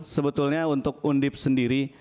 sebetulnya untuk undip sendiri